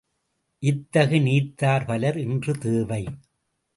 இத்தகு நீத்தார் பலர் இன்று தேவை.